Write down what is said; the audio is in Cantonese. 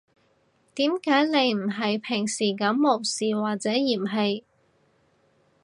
點解你唔係平時噉無視或者嫌棄